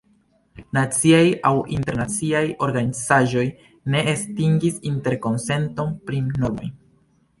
Naciaj aŭ internaciaj organizaĵoj ne atingis interkonsenton pri normoj.